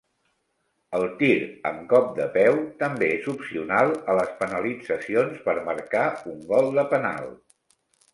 El tir amb cop de peu també és opcional a les penalitzacions per marcar un gol de penal.